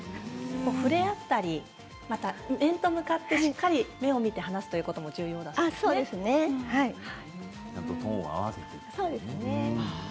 触れ合ったり面と向かって目を見て話すということも重要なんですね。